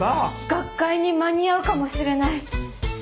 学会に間に合うかもしれない。